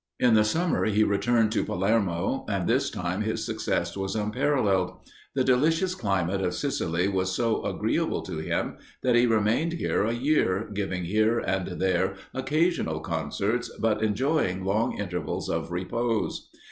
In the summer he returned to Palermo, and this time his success was unparalleled. The delicious climate of Sicily was so agreeable to him that he remained here a year, giving here and there occasional concerts, but enjoying long intervals of repose.